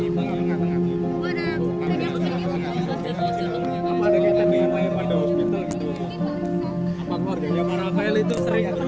bu apakah terkait transaksi jual beli rumah bu